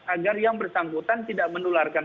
agar yang bersangkutan tidak menularkan